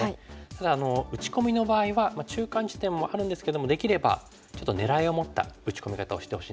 ただ打ち込みの場合は中間地点もあるんですけどもできればちょっと狙いを持った打ち込み方をしてほしいんですね。